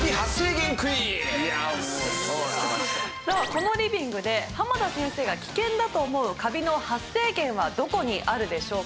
このリビングで浜田先生が危険だと思うカビの発生源はどこにあるでしょうか？